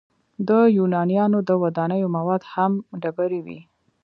د یونانیانو د ودانیو مواد هم ډبرې وې.